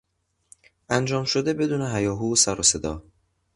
انجام شده بدون هیاهو و سروصدا